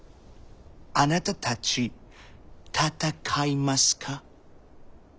あなたたちたたかいますか？